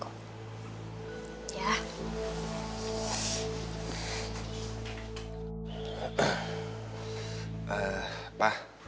kalo masalah mama nanti aku njelaskan mama pasti ngerti ko